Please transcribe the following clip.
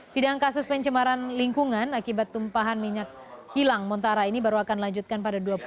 sidang kasus pencemaran lingkungan akibat tumpahan minyak kilang montara ini baru akan lanjutkan